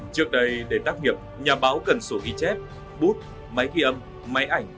trước đây để tác nghiệp nhà báo cần sổ ghi chép bút máy ghi âm máy ảnh